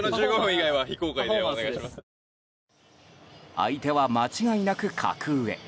相手は間違いなく格上。